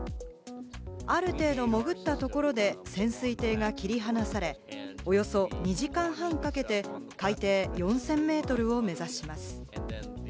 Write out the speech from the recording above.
ある程度、潜ったところで潜水艇が切り離され、およそ２時間半かけて海底４０００メートルを目指します。